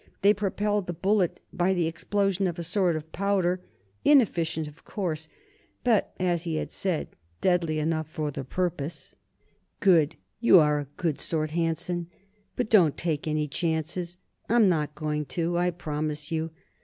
They propelled the bullet by the explosion of a sort of powder; inefficient, of course, but, as he had said, deadly enough for the purpose. "Good! You are a good sort Hanson, but don't take any chances. I'm not going to, I promise you.